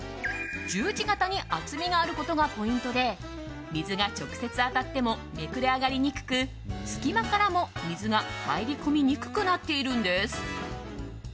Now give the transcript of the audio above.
十字型に厚みがあることがポイントで水が直接当たってもめくれ上がりにくく隙間からも、水が入り込みにくくなっているんです。